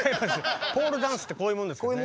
ポールダンスってこういうもんですよね。